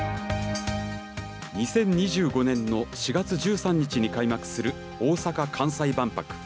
２０２５年の４月１３日に開幕する大阪・関西万博。